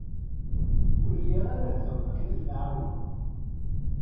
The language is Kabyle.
Ur lliɣ ara da akken ad ten-ɛawneɣ.